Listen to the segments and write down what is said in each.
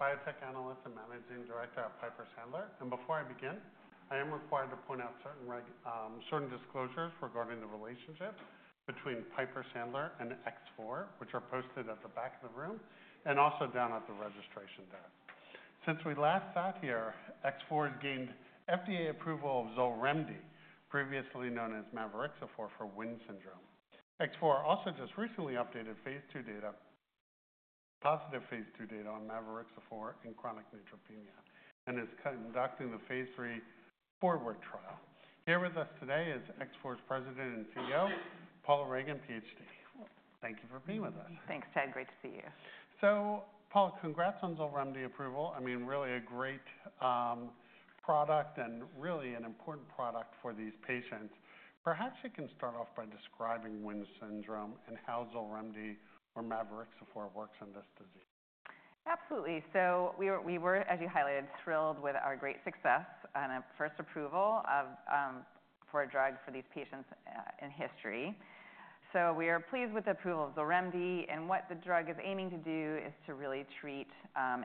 Biotech Analyst and Managing Director at Piper Sandler. And before I begin, I am required to point out certain disclosures regarding the relationship between Piper Sandler and X4, which are posted at the back of the room and also down at the registration desk. Since we last sat here, X4 has gained FDA approval of Xolremdy, previously known as mavorixafor for WHIM syndrome. X4 also just recently updated phase II data, positive phase II data on mavorixafor in chronic neutropenia, and is conducting the phase III 4WARD trial. Here with us today is X4's President and CEO, Paula Ragan, PhD. Thank you for being with us. Thanks, Ted. Great to see you. Paula, congrats on Xolremdy approval. I mean, really a great product and really an important product for these patients. Perhaps you can start off by describing WHIM syndrome and how Xolremdy or mavorixafor works in this disease. Absolutely. We were, as you highlighted, thrilled with our great success on a first approval for a drug for these patients in history, so we are pleased with the approval of Xolremdy, and what the drug is aiming to do is to really treat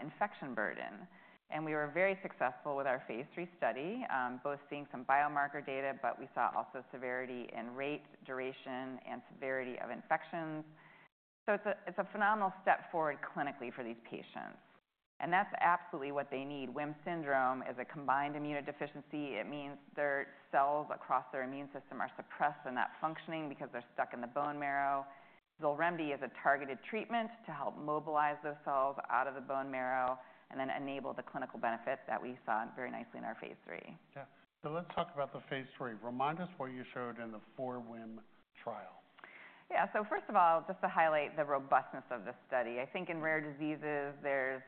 infection burden, and we were very successful with our phase III study, both seeing some biomarker data, but we also saw severity in rate, duration, and severity of infections, so it's a phenomenal step forward clinically for these patients, and that's absolutely what they need. WHIM syndrome is a combined immunodeficiency. It means their cells across their immune system are suppressed in that functioning because they're stuck in the bone marrow. Xolremdy is a targeted treatment to help mobilize those cells out of the bone marrow and then enable the clinical benefit that we saw very nicely in our phase III. Yeah, so let's talk about the phase III. Remind us what you showed in the 4WHIM trial. Yeah. So first of all, just to highlight the robustness of this study. I think in rare diseases, there's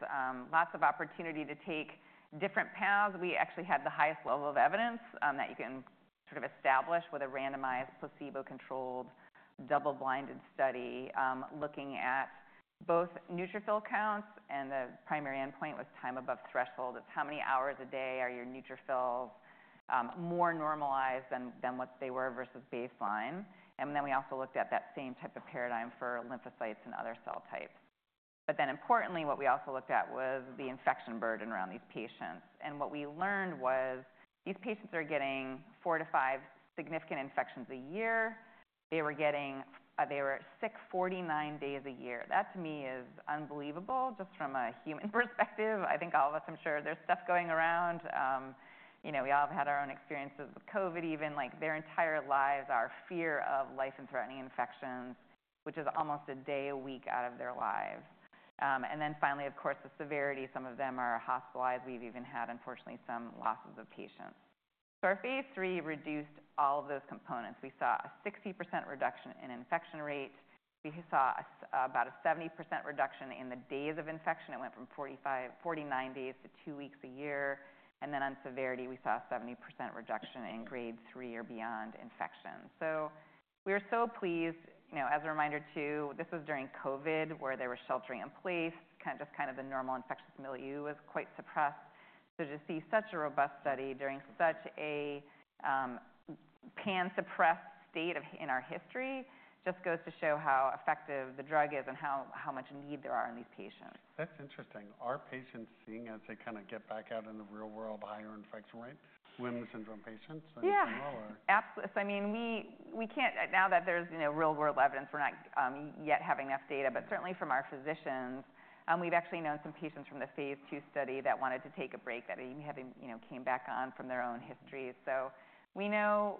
lots of opportunity to take different panels. We actually had the highest level of evidence that you can sort of establish with a randomized placebo-controlled double-blinded study looking at both neutrophil counts, and the primary endpoint was time above threshold. It's how many hours a day are your neutrophils more normalized than what they were versus baseline. And then we also looked at that same type of paradigm for lymphocytes and other cell types. But then importantly, what we also looked at was the infection burden around these patients. And what we learned was these patients are getting four to five significant infections a year. They were sick 49 days a year. That, to me, is unbelievable just from a human perspective. I think all of us, I'm sure, there's stuff going around. You know, we all have had our own experiences with COVID even. Like their entire lives are fear of life-threatening infections, which is almost a day a week out of their lives, and then finally, of course, the severity. Some of them are hospitalized. We've even had, unfortunately, some losses of patients, so our phase III reduced all of those components. We saw a 60% reduction in infection rate. We saw about a 70% reduction in the days of infection. It went from 49 days to two weeks a year, and then on severity, we saw a 70% reduction in Grade 3 or beyond infections, so we are so pleased, you know, as a reminder too. This was during COVID where there were sheltering in place. Just kind of the normal infectious milieu was quite suppressed. To see such a robust study during such a pan-suppressed state in our history just goes to show how effective the drug is and how much need there are in these patients. That's interesting. Are patients seeing, as they kind of get back out in the real world, a higher infection rate? WHIM syndrome patients as well? Yeah. Absolutely. So I mean, we can't, now that there's real-world evidence, we're not yet having enough data. But certainly from our physicians, we've actually known some patients from the phase II study that wanted to take a break that came back on from their own history. So we know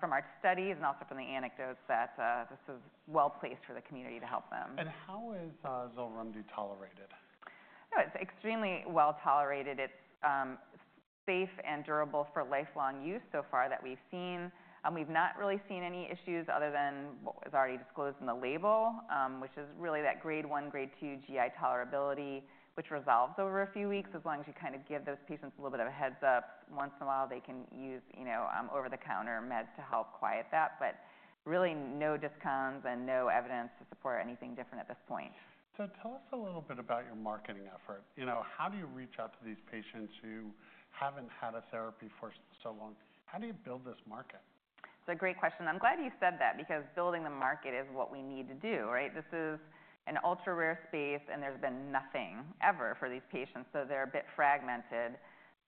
from our studies and also from the anecdotes that this is well-placed for the community to help them. How is Xolremdy tolerated? It's extremely well-tolerated. It's safe and durable for lifelong use so far that we've seen. We've not really seen any issues other than what was already disclosed in the label, which is really that Grade 1, Grade 2 GI tolerability, which resolves over a few weeks as long as you kind of give those patients a little bit of a heads-up. Once in a while, they can use over-the-counter meds to help quiet that. But really no discontinuations and no evidence to support anything different at this point. So tell us a little bit about your marketing effort. You know, how do you reach out to these patients who haven't had a therapy for so long? How do you build this market? It's a great question. I'm glad you said that because building the market is what we need to do, right? This is an ultra-rare space, and there's been nothing ever for these patients. So they're a bit fragmented.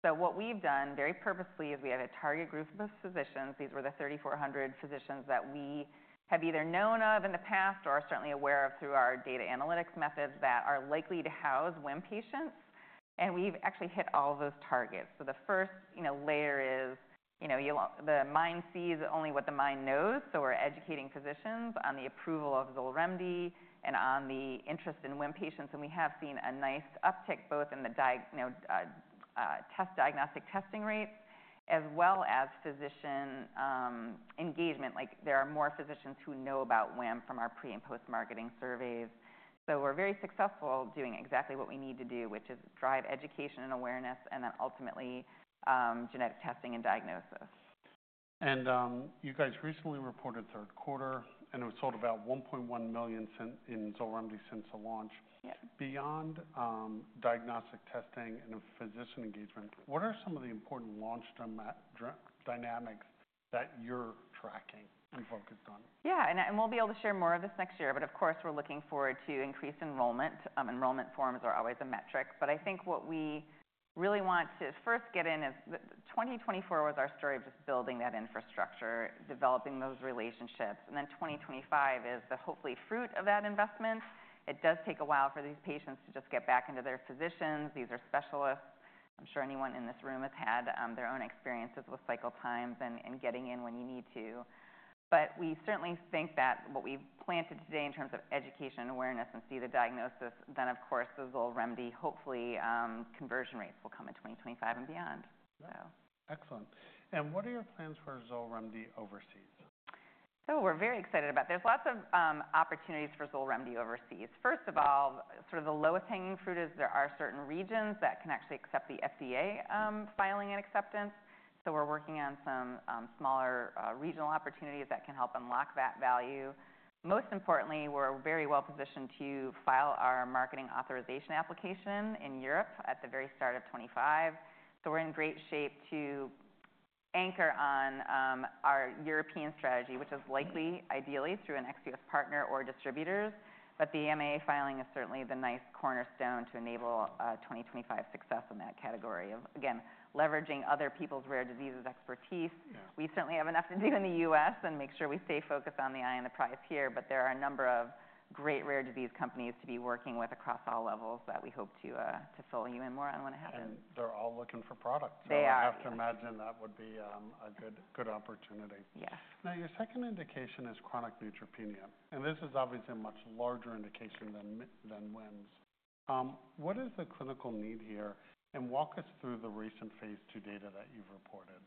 So what we've done very purposely is we have a target group of physicians. These were the 3,400 physicians that we have either known of in the past or are certainly aware of through our data analytics methods that are likely to house WHIM patients. And we've actually hit all of those targets. So the first layer is the mind sees only what the mind knows. So we're educating physicians on the approval of Xolremdy and on the interest in WHIM patients. And we have seen a nice uptick both in the diagnostic testing rates as well as physician engagement. Like there are more physicians who know about WHIM from our pre and post-marketing surveys. So we're very successful doing exactly what we need to do, which is drive education and awareness and then ultimately genetic testing and diagnosis. You guys recently reported 3rd quarter, and it was sold about $1.1 million in Xolremdy since the launch. Beyond diagnostic testing and physician engagement, what are some of the important launch dynamics that you're tracking and focused on? Yeah. And we'll be able to share more of this next year. But of course, we're looking forward to increased enrollment. Enrollment forms are always a metric. But I think what we really want to first get in is 2024 was our story of just building that infrastructure, developing those relationships. And then 2025 is the hopefully fruit of that investment. It does take a while for these patients to just get back into their physicians. These are specialists. I'm sure anyone in this room has had their own experiences with cycle times and getting in when you need to. But we certainly think that what we've planted today in terms of education and awareness and see the diagnosis, then of course the Xolremdy hopefully conversion rates will come in 2025 and beyond. Excellent. And what are your plans for Xolremdy overseas? So we're very excited about. There's lots of opportunities for Xolremdy overseas. First of all, sort of the lowest hanging fruit is there are certain regions that can actually accept the FDA filing and acceptance. So we're working on some smaller regional opportunities that can help unlock that value. Most importantly, we're very well positioned to file our marketing authorization application in Europe at the very start of 2025. So we're in great shape to anchor on our European strategy, which is likely ideally through an ex-U.S. partner or distributors. But the MAA filing is certainly the nice cornerstone to enable 2025 success in that category of, again, leveraging other people's rare diseases expertise. We certainly have enough to do in the U.S. and make sure we stay focused on the eye and the prize here. But there are a number of great rare disease companies to be working with across all levels that we hope to fill you in more on when it happens. And they're all looking for products. They are. I have to imagine that would be a good opportunity. Yes. Now, your second indication is chronic neutropenia. And this is obviously a much larger indication than WHIM. What is the clinical need here? And walk us through the recent phase II data that you've reported.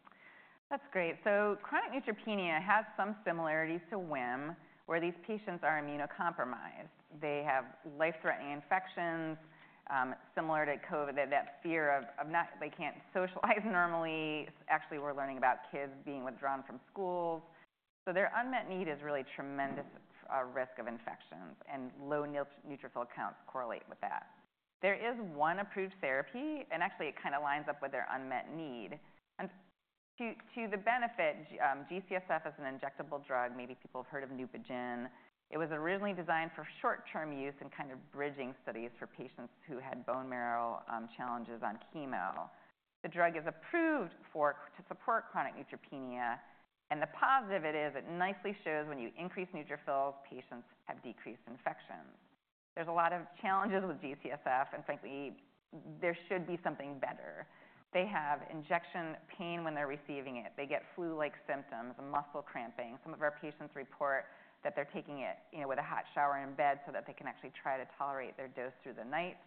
That's great. So chronic neutropenia has some similarities to WHIM where these patients are immunocompromised. They have life-threatening infections similar to COVID, that fear of not they can't socialize normally. Actually, we're learning about kids being withdrawn from schools. So their unmet need is really tremendous risk of infections, and low neutrophil counts correlate with that. There is one approved therapy, and actually it kind of lines up with their unmet need. And to the benefit, G-CSF is an injectable drug. Maybe people have heard of Neupogen. It was originally designed for short-term use and kind of bridging studies for patients who had bone marrow challenges on chemo. The drug is approved to support chronic neutropenia. And the positive it is, it nicely shows when you increase neutrophils, patients have decreased infections. There's a lot of challenges with G-CSF, and frankly, there should be something better. They have injection pain when they're receiving it. They get flu-like symptoms, muscle cramping. Some of our patients report that they're taking it with a hot shower in bed so that they can actually try to tolerate their dose through the night.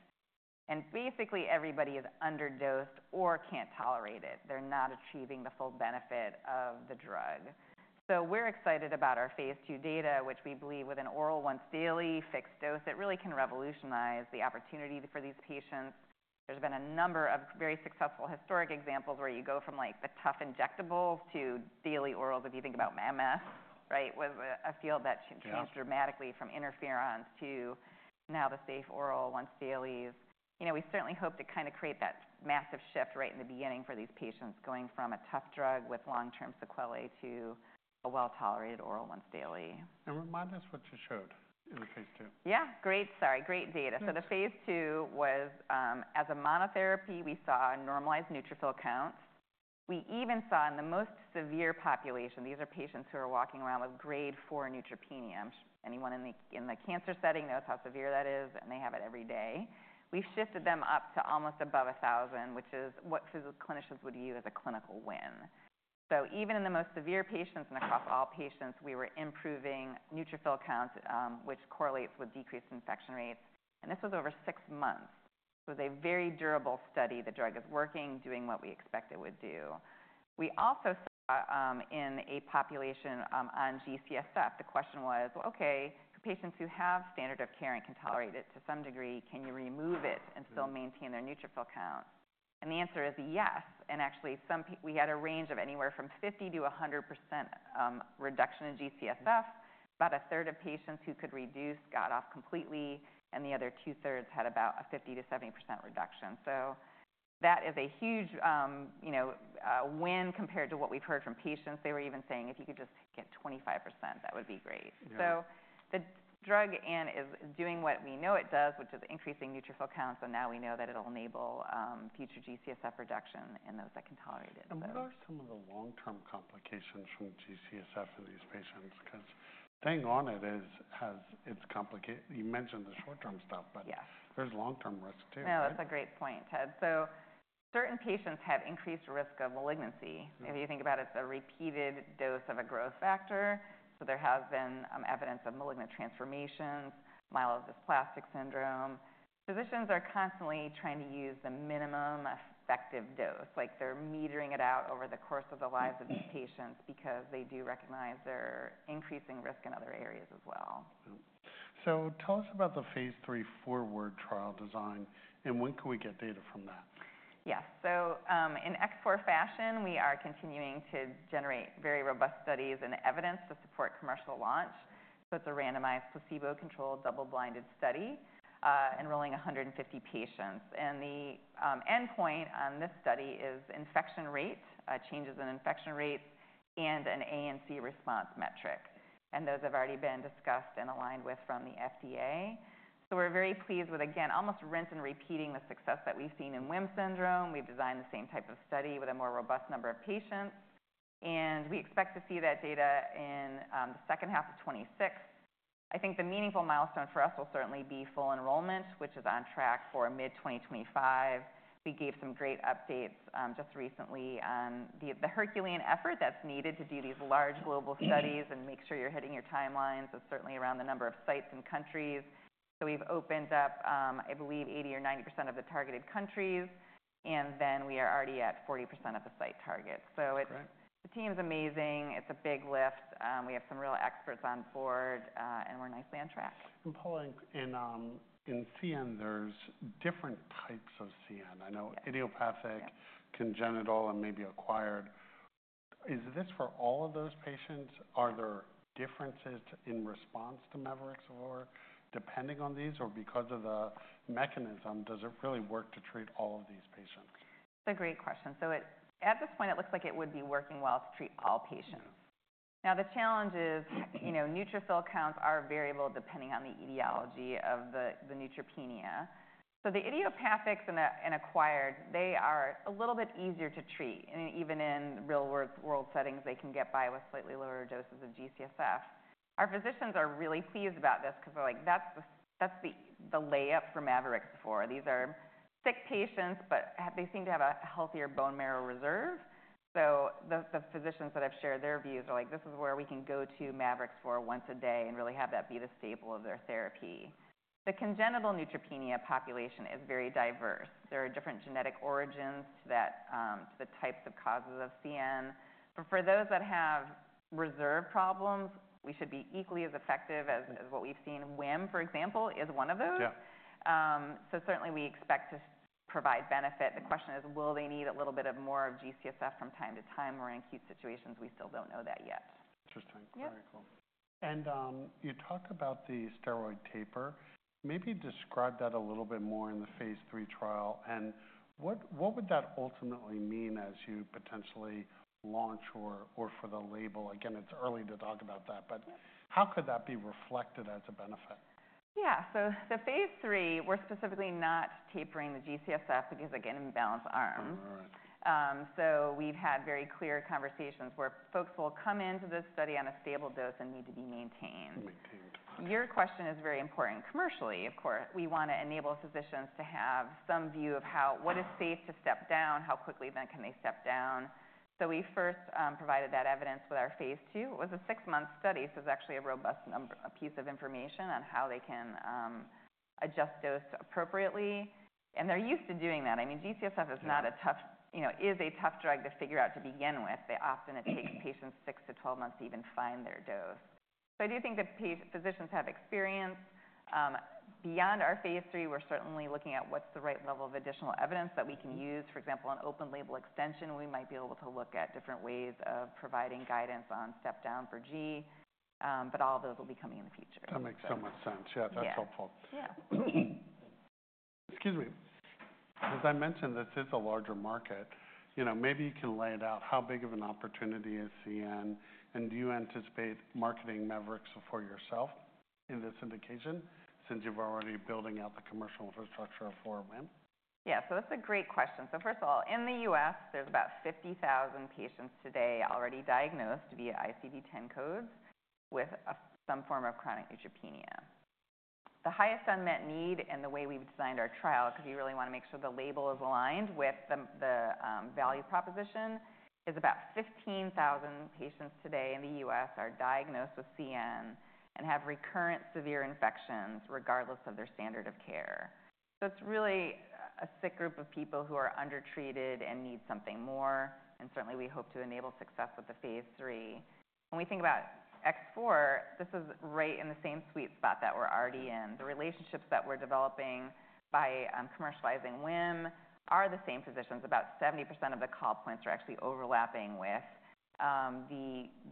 And basically, everybody is underdosed or can't tolerate it. They're not achieving the full benefit of the drug. So we're excited about our phase II data, which we believe, with an oral once daily fixed dose, it really can revolutionize the opportunity for these patients. There's been a number of very successful historic examples where you go from like the tough injectables to daily orals if you think about MS, right? Was a field that changed dramatically from interferons to now the safe oral once dailies. You know, we certainly hope to kind of create that massive shift right in the beginning for these patients going from a tough drug with long-term sequelae to a well-tolerated oral once daily. And remind us what you showed in the phase II? Yeah. Great. Sorry. Great data. So the phase II was as a monotherapy, we saw normalized neutrophil counts. We even saw in the most severe population, these are patients who are walking around with Grade 4 neutropenia. Anyone in the cancer setting knows how severe that is, and they have it every day. We've shifted them up to almost above 1,000, which is what clinicians would view as a clinical win. So even in the most severe patients and across all patients, we were improving neutrophil counts, which correlates with decreased infection rates. And this was over six months. It was a very durable study. The drug is working, doing what we expect it would do. We also saw in a population on G-CSF, the question was, well, okay, patients who have standard of care and can tolerate it to some degree, can you remove it and still maintain their neutrophil counts? And the answer is yes. And actually, we had a range of anywhere from 50%-100% reduction in G-CSF. About a third of patients who could reduce got off completely, and the other two-thirds had about a 50%-70% reduction. So that is a huge win compared to what we've heard from patients. They were even saying if you could just get 25%, that would be great. So the drug is doing what we know it does, which is increasing neutrophil counts. And now we know that it'll enable future G-CSF reduction in those that can tolerate it. What are some of the long-term complications from G-CSF for these patients? Because the thing on it is, you mentioned the short-term stuff, but there's long-term risk too. No, that's a great point, Ted. So certain patients have increased risk of malignancy. If you think about it, it's a repeated dose of a growth factor. So there has been evidence of malignant transformations, myelodysplastic syndrome. Physicians are constantly trying to use the minimum effective dose. Like they're metering it out over the course of the lives of these patients because they do recognize they're increasing risk in other areas as well. So tell us about the phase III 4WARD trial design, and when can we get data from that? Yes. So in X4 fashion, we are continuing to generate very robust studies and evidence to support commercial launch. So it's a randomized placebo-controlled double-blinded study enrolling 150 patients. And the endpoint on this study is infection rate, changes in infection rates, and an ANC response metric. And those have already been discussed and aligned with from the FDA. So we're very pleased with, again, almost rinse and repeating the success that we've seen in WHIM syndrome. We've designed the same type of study with a more robust number of patients. And we expect to see that data in the 2nd half of 2026. I think the meaningful milestone for us will certainly be full enrollment, which is on track for mid-2025. We gave some great updates just recently on the Herculean effort that's needed to do these large global studies and make sure you're hitting your timelines. It's certainly around the number of sites and countries, so we've opened up, I believe, 80% or 90% of the targeted countries and then we are already at 40% of the site targets, so the team is amazing. It's a big lift. We have some real experts on board, and we're nicely on track. Paula, in CN, there's different types of CN. I know idiopathic, congenital, and maybe acquired. Is this for all of those patients? Are there differences in response to mavorixafor or depending on these or because of the mechanism, does it really work to treat all of these patients? That's a great question. So at this point, it looks like it would be working well to treat all patients. Now, the challenge is neutrophil counts are variable depending on the etiology of the neutropenia. So the idiopathics and acquired, they are a little bit easier to treat. And even in real-world settings, they can get by with slightly lower doses of G-CSF. Our physicians are really pleased about this because they're like, that's the layup for mavorixafor. These are sick patients, but they seem to have a healthier bone marrow reserve. So the physicians that have shared their views are like, this is where we can go to mavorixafor once a day and really have that be the staple of their therapy. The congenital neutropenia population is very diverse. There are different genetic origins to the types of causes of CN. But for those that have reserve problems, we should be equally as effective as what we've seen. WHIM, for example, is one of those. So certainly, we expect to provide benefit. The question is, will they need a little bit more of G-CSF from time to time or in acute situations? We still don't know that yet. Interesting. Very cool. And you talk about the steroid taper. Maybe describe that a little bit more in the phase III trial. And what would that ultimately mean as you potentially launch or for the label? Again, it's early to talk about that, but how could that be reflected as a benefit? Yeah, so the phase III, we're specifically not tapering the G-CSF because, again, imbalanced arms. So we've had very clear conversations where folks will come into this study on a stable dose and need to be maintained. Your question is very important. Commercially, of course, we want to enable physicians to have some view of what is safe to step down, how quickly then can they step down. So we first provided that evidence with our phase II. It was a six-month study. So it's actually a robust piece of information on how they can adjust dose appropriately. And they're used to doing that. I mean, G-CSF is a tough drug to figure out to begin with. They often it takes patients six to 12 months to even find their dose. So I do think that physicians have experience. Beyond our phase III, we're certainly looking at what's the right level of additional evidence that we can use. For example, an open-label extension, we might be able to look at different ways of providing guidance on step-down for G-CSF. But all of those will be coming in the future. That makes so much sense. Yeah, that's helpful. Yeah. Excuse me. As I mentioned, this is a larger market. Maybe you can lay it out. How big of an opportunity is CN? And do you anticipate marketing mavorixafor for yourself in this indication since you've already been building out the commercial infrastructure for WHIM? Yeah. So that's a great question. So first of all, in the U.S., there's about 50,000 patients today already diagnosed via ICD-10 codes with some form of chronic neutropenia. The highest unmet need and the way we've designed our trial, because we really want to make sure the label is aligned with the value proposition, is about 15,000 patients today in the U.S. are diagnosed with CN and have recurrent severe infections regardless of their standard of care. So it's really a sick group of people who are undertreated and need something more. And certainly, we hope to enable success with the phase III. When we think about X4, this is right in the same sweet spot that we're already in. The relationships that we're developing by commercializing WHIM are the same physicians. About 70% of the call points are actually overlapping with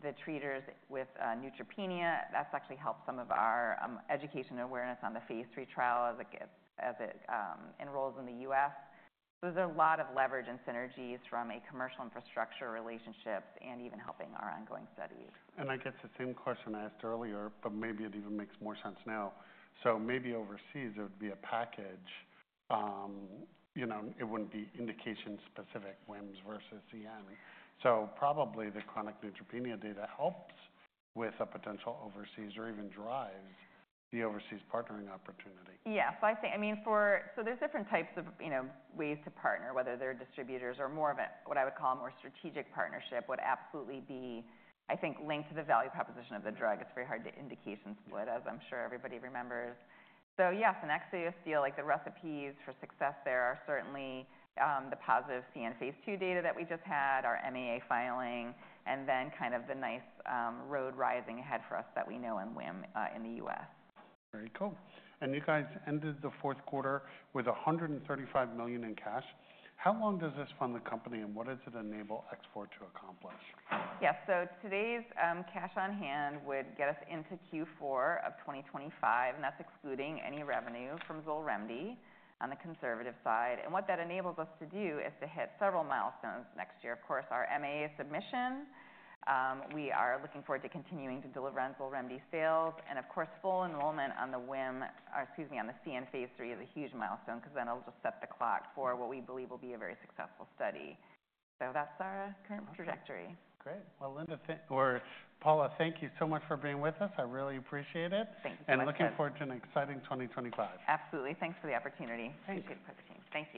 the treaters with neutropenia. That's actually helped some of our education awareness on the phase III trial as it enrolls in the U.S. So there's a lot of leverage and synergies from commercial infrastructure relationships and even helping our ongoing studies. And I guess the same question I asked earlier, but maybe it even makes more sense now, so maybe overseas, it would be a package. It wouldn't be indication-specific WHIMs versus CN, so probably the chronic neutropenia data helps with a potential overseas or even drives the overseas partnering opportunity. Yeah. So I think, I mean, so there's different types of WHIM ways to partner, whether they're distributors or more of what I would call a more strategic partnership would absolutely be, I think, linked to the value proposition of the drug. It's very hard to indication split, as I'm sure everybody remembers. So yes, an ex-U.S. deal like the recipe for success. There are certainly the positive CN phase II data that we just had, our MAA filing, and then kind of the nice roadmap ahead for us that we know in WHIM in the U.S. Very cool and you guys ended the fourth quarter with $135 million in cash. How long does this fund the company and what does it enable X4 to accomplish? Yes. So today's cash on hand would get us into Q4 of 2025, and that's excluding any revenue from Xolremdy on the conservative side. And what that enables us to do is to hit several milestones next year. Of course, our MAA submission. We are looking forward to continuing to deliver on Xolremdy sales. And of course, full enrollment on the WHIM, or excuse me, on the CN phase III is a huge milestone because then it'll just set the clock for what we believe will be a very successful study. So that's our current trajectory. Great. Well, Paula, thank you so much for being with us. I really appreciate it. Thank you so much. Looking forward to an exciting 2025. Absolutely. Thanks for the opportunity. Thank you. Appreciate it. Thank you.